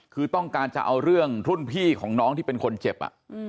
คือต้องการจะเอาเรื่องรุ่นพี่ของน้องที่เป็นคนเจ็บ